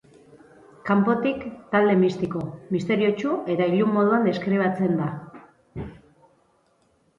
Kanpotik, talde mistiko, misteriotsu eta ilun moduan deskribatzen da.